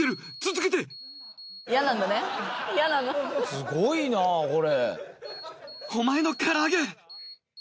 すごいなこれ。